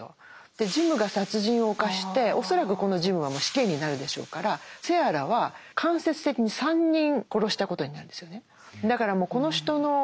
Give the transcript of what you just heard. ジムが殺人を犯して恐らくこのジムは死刑になるでしょうからセアラは間接的に３人殺したことになるんですよね。